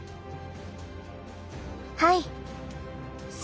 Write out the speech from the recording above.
はい！